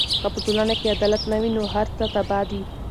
که په ټولنه کې عدالت نه وي، نو هر څه تباه دي.